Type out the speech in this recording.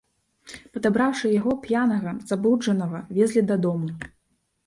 Падабраўшы яго, п'янага, забруджанага, везлі дадому.